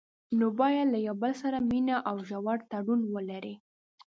نو باید له یو بل سره مینه او ژور تړون ولري.